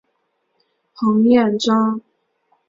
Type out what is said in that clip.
彭彦章。